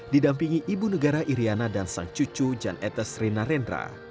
didampingi ibu negara iryana dan sang cucu jan etes rina rendra